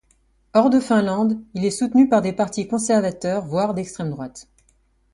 Hors de Finlande, il est soutenu par des partis conservateurs voire d'extrême droite.